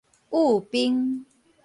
焐冰